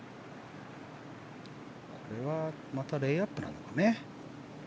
これはまたレイアップなのかな。